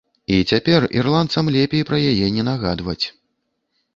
І цяпер ірландцам лепей пра яе не нагадваць.